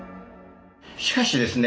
しかしですね